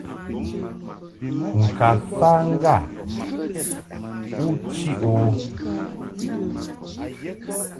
Ŋka fa ŋga u chiʼ o.